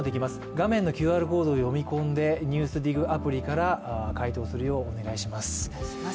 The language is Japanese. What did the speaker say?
画面のＱＲコードを読み込んで「ＮＥＷＳＤＩＧ」アプリから回答するようお願いします。